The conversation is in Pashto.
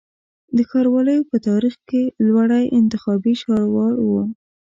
د ښاروالیو په تاریخ کي لوړی انتخابي ښاروال و